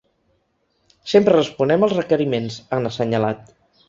Sempre responem els requeriments, han assenyalat.